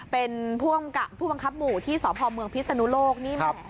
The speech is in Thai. เป็นผู้บังคับหมู่ที่สพเมืองพิศนุโลกนี่แหม